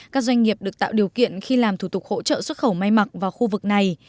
các doanh nghiệp được tạo điều kiện khi làm thủ tục hỗ trợ xuất khẩu may mặc vào khu vực này